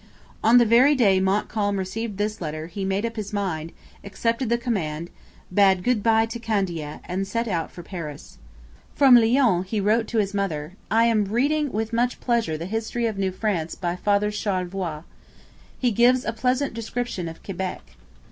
On the very day Montcalm received this letter he made up his mind, accepted the command, bade good bye to Candiac, and set out for Paris. From Lyons he wrote to his mother: 'I am reading with much pleasure the History of New France by Father Charlevoix. He gives a pleasant description of Quebec.'